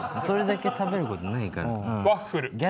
それだけ食べることないから。